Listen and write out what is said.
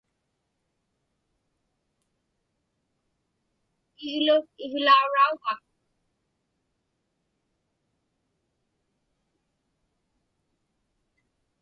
Iglu iglaurauva?